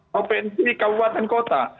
provinsi kabupaten kota